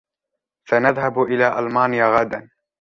سنذهب إلى ألمانيا غداً.